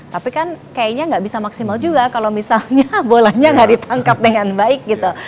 tapi kan kayaknya nggak bisa maksimal juga kalau misalnya bolanya gak ditangkap dengan baik gitu